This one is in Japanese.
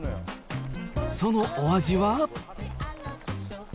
そのお味は？